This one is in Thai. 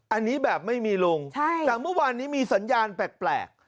อันนี้แบบไม่มีลุงแต่เมื่อวานนี้มีสัญญาณแปลก